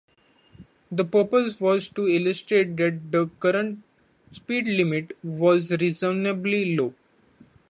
The purpose was to illustrate that the current speed limit was unreasonably low.